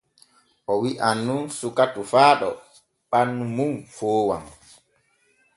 O wi’an nun suka tofaaɗo ɓannu mum foowan.